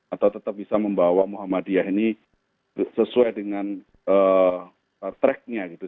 atau tetap bisa membawa muhammadiyah ini sesuai dengan tracknya gitu